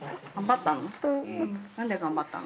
◆なんで頑張ったの？